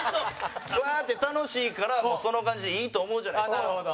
うわって楽しいから、その感じでいいと思うじゃないですか。